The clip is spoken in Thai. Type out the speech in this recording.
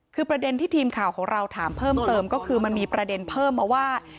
คือประเด็นที่ทีมข่าวของเราถามเพิ่มเติมก็คือมันมีประเด็นเพิ่มมาว่า